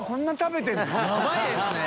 ヤバイですね。